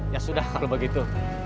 ya sudah kalau begitu